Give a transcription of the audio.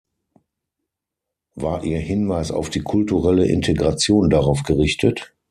War Ihr Hinweis auf die kulturelle Integration darauf gerichtet?